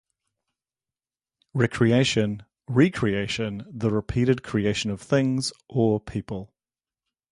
Recreation; re-creation, the repeated creation of things, or people.